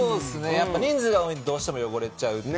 人数が多いとどうしても汚れちゃう。